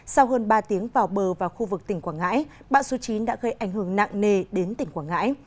sau hơn ba tiếng vào bờ vào khu vực tỉnh quảng ngãi bão số chín đã gây ảnh hưởng nặng nề đến tỉnh quảng ngãi